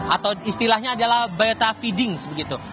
atau istilahnya adalah beta feedings begitu